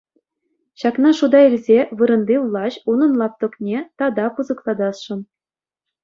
Ҫакна шута илсе вырӑнти влаҫ унӑн лаптӑкне тата пысӑклатасшӑн.